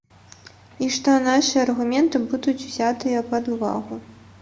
І што нашы аргументы будуць узятыя пад увагу.